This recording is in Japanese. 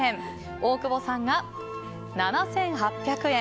大久保さんが７８００円。